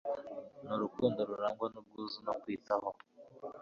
nurukundo rurangwa nubwuzu no kwitaho